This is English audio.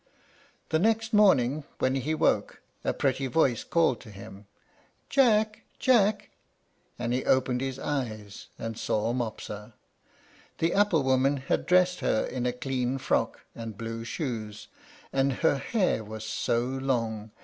The next morning, when he woke, a pretty voice called to him, "Jack! Jack!" and he opened his eyes and saw Mopsa. The apple woman had dressed her in a clean frock and blue shoes, and her hair was so long!